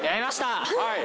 はい。